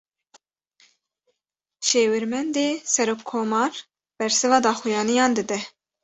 Şêwirmendê serokkomar, bersiva daxuyaniyan dide